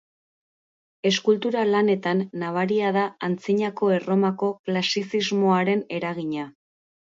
Eskultura-lanetan, nabaria da Antzinako Erromako klasizismoaren eragina.